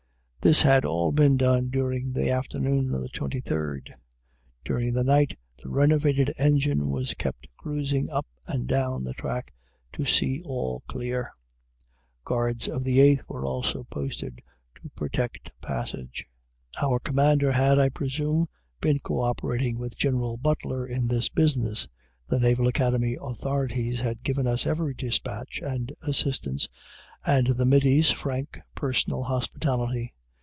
This had all been done during the afternoon of the 23d. During the night, the renovated engine was kept cruising up and down the track to see all clear. Guards of the Eighth were also posted to protect passage. Our commander had, I presume, been co operating with General Butler in this business. The Naval Academy authorities had given us every despatch and assistance, and the middies, frank, personal hospitality.